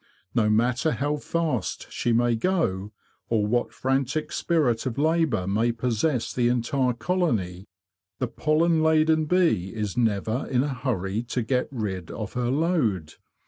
No matter how fast she may go, or what frantic spirit of labour may possess the entire colony, the pollen laden bee is never in a hurry to get rid of her load.